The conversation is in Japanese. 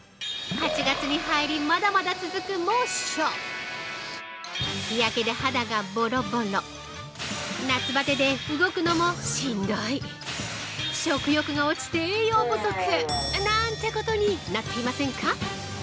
８月に入り、まだまだ続く猛暑日焼けで肌がボロボロ夏バテで動くのもしんどい食欲が落ちて栄養不足なんてことになっていませんか？